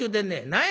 何や？」。